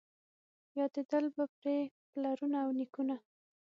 یادېدل به پرې پلرونه او نیکونه